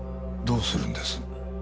どうするんです？